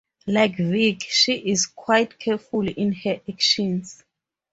Like Vic, she is quite careful in her actions.